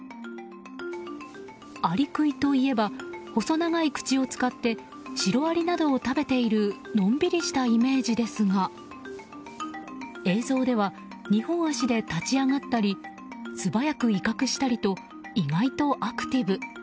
アリクイといえば細長い口を使ってシロアリなどを食べているのんびりしたイメージですが映像では２本足で立ち上がったり素早く威嚇したりと意外とアクティブ。